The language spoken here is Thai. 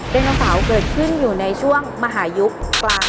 ไนโนเสาร์เกิดขึ้นอยู่ในช่วงมหายุคกลาง